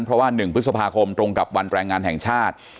เพราะว่า๑พฤษภาคมตรงกับวันแรงงานแห่งชาติ